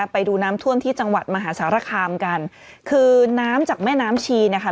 ไปดูน้ำท่วมที่จังหวัดมหาสารคามกันคือน้ำจากแม่น้ำชีนะคะ